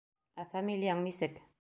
Ә фамилияң нисек?